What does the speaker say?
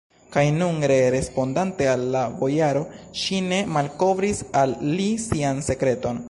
Kaj nun ree, respondante al la bojaro, ŝi ne malkovris al li sian sekreton.